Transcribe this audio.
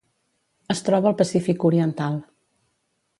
Es troba al Pacífic oriental.